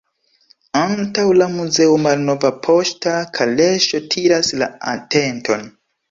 Antaŭ la muzeo malnova poŝta kaleŝo tiras la atenton.